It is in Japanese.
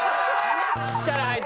力入った。